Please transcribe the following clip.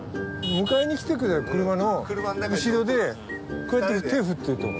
迎えに来てくれた車の後ろでこうやって手振ってたから。